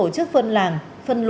để vui vẻ